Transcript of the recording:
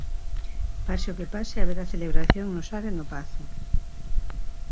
Pase o que pase haberá celebración no Sar e no Pazo.